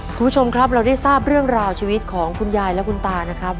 คุณผู้ชมครับเราได้ทราบเรื่องราวชีวิตของคุณยายและคุณตานะครับ